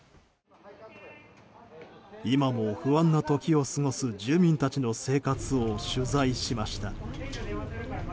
今も不安な時を過ごす住民たちの生活を取材しました。